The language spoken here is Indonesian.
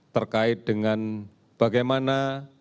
terkait dengan bagaimana